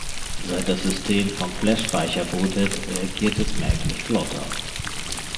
Seit das System von Flashspeicher bootet, reagiert es merklich flotter.